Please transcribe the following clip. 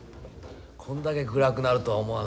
こんだけ暗くなるとは思わなかった。